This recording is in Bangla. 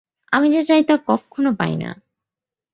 আমি যা চাই তা কক্ষনো পাই না!